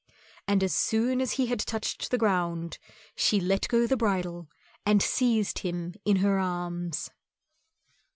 And as soon as he had touched the ground she let go the bridle and seized him in her arms.